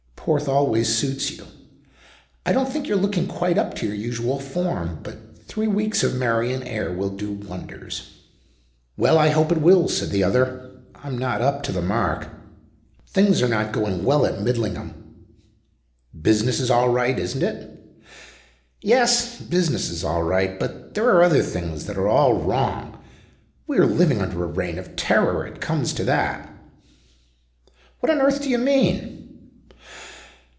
Porth always suits you. I don't think you're looking quite up to your usual form. But three weeks of Meirion air will do wonders." "Well, I hope it will," said the other. "I am not up to the mark. Things are not going well at Midlingham." "Business is all right, isn't it?" "Yes. Business is all right. But there are other things that are all wrong. We are living under a reign of terror. It comes to that." "What on earth do you mean?"